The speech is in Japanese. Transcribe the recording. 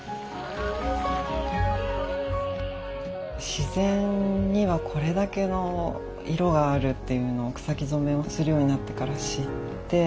自然にはこれだけの色があるっていうのを草木染めをするようになってから知って。